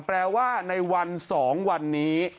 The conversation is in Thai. แปลว่าในวัน๒วันนี้